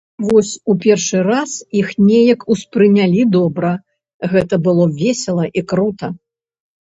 Вось у першы раз іх неяк успрынялі добра, гэта было весела і крута!